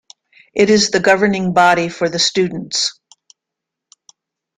It is the governing body for the students.